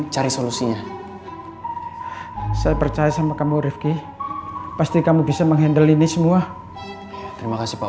cari solusinya saya percaya sama kamu rifki pasti kamu bisa menghandle ini semua terima kasih pak